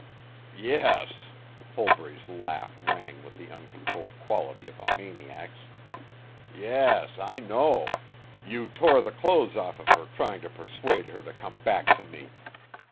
"Yes," Holbury's laugh rang with the uncontrolled quality of a maniac's. "Yes, I know. You tore the clothes off of her trying to persuade her to come back to me!